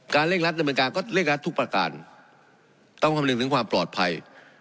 การเล่งรัฐในบริการก็เล่งรัฐทุกประการต้องคำหนึ่งถึงความปลอดภัย